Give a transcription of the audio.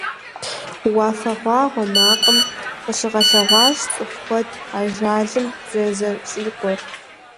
«Уафэгъуагъуэ макъым» къыщыгъэлъэгъуащ цӀыху куэд ажалым зэрызэщӀикъуэр.